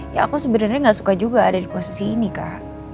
ya aku sebenarnya gak suka juga ada di posisi ini kak